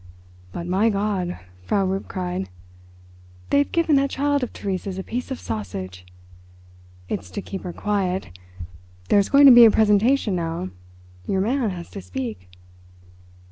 "But, my God," Frau Rupp cried, "they've given that child of Theresa's a piece of sausage. It's to keep her quiet. There's going to be a presentation now—your man has to speak."